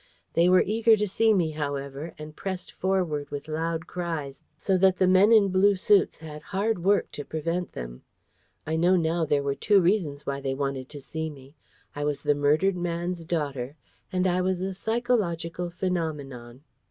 They were eager to see me, however, and pressed forward with loud cries, so that the men in blue suits had hard work to prevent them. I know now there were two reasons why they wanted to see me. I was the murdered man's daughter, and I was a Psychological Phenomenon.